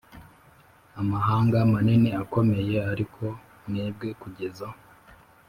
Amahanga manini akomeye ariko mwebwe kugeza